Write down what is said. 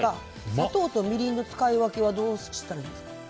砂糖とみりんの使い分けはどうしたらいいですか。